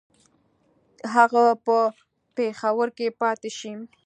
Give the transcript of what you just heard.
هغه په پېښور کې پاته شي.